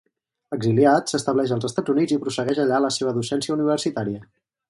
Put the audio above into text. Exiliat, s'estableix als Estats Units i prossegueix allà la seva docència universitària.